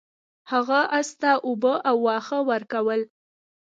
هغه اس ته اوبه او واښه ورکول.